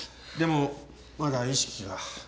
でもまだ意識が。